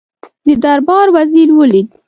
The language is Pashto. د دربار وزیر ولید.